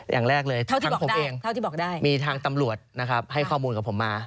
อย่างแรกเลยทางผมเองมีทางตำรวจให้ข้อมูลกับผมมา